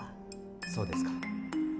そうですか。